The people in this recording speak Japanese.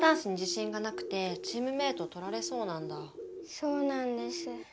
そうなんです。